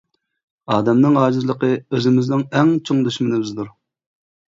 ئادەمنىڭ ئاجىزلىقى ئۆزىمىزنىڭ ئەڭ چوڭ دۈشمىنىمىزدۇر.